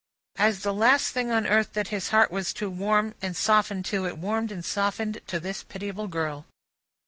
As the last thing on earth that his heart was to warm and soften to, it warmed and softened to this pitiable girl.